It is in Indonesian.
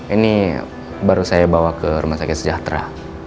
ini baru saya bawa ke rumah sakit sejahtera